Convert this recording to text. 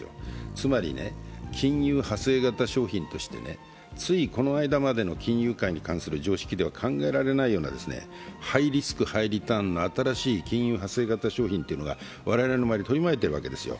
つまりね、金融派生型商品としてついこの間までの金融界に関する常識では考えられないようなハイリスク・ハイリターンの新しい金融派生型商品というのが我々の周りを取り巻いているわけですよ。